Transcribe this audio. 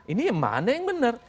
ini mana yang benar